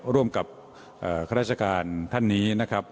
ร่วมกับข้าราชการท่านนี้นะครับ